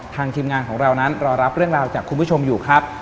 ทีมงานของเรานั้นรอรับเรื่องราวจากคุณผู้ชมอยู่ครับ